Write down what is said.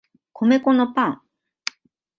米粉のパン